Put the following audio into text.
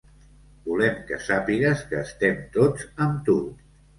Volem que sàpigues que estem tots amb tu.